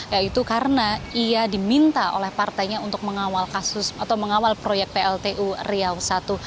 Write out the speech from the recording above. yaitu karena ia diminta oleh partainya untuk mengawal proyek plt uriau i